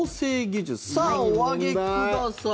さあ、お上げください。